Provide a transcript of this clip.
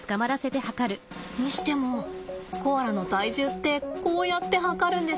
にしてもコアラの体重ってこうやって量るんですね。